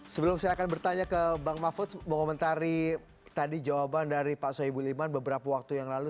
sebelum saya akan bertanya ke bang mahfud mengomentari tadi jawaban dari pak soebul iman beberapa waktu yang lalu